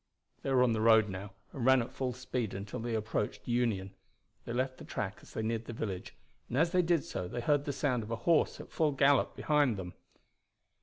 They were on the road now, and ran at full speed until they approached Union. They left the track as they neared the village, and as they did so they heard the sound of a horse at full gallop behind them.